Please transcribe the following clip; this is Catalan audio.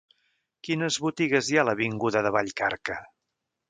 Quines botigues hi ha a l'avinguda de Vallcarca?